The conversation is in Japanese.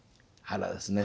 「腹」ですね。